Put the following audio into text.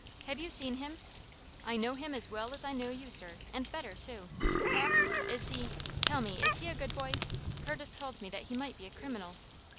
"Have you seen him?" "I know him as well as I know you, sir, and better, too." "Is he tell me, is he a good boy? Curtis told me that he might be a criminal."